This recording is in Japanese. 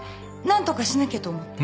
何とかしなきゃと思って。